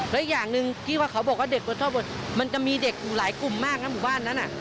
และอีกอย่างนึงที่เขาบอกว่าเด็กตัวชอบมันจะมีเด็กหลายกลุ่มมากนะบ้านนั้นอะ